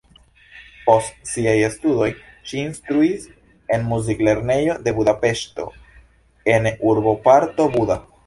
Post siaj studoj ŝi instruis en muziklernejo de Budapeŝto en urboparto Buda.